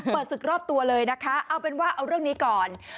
ศึกรอบตัวเลยนะคะเอาเป็นว่าเอาเรื่องนี้ก่อน